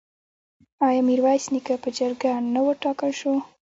آیا میرویس نیکه په جرګه نه وټاکل شو؟